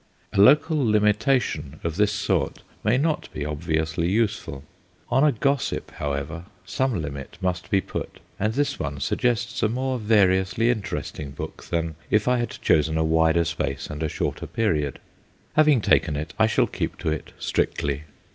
A local limitation of this sort may not be obviously useful. On a gossip, however, some limit must be put, and this one sug gests a more variously interesting book than if I had chosen a wider space and a shorter period. Having taken it, I shall keep to it strictly.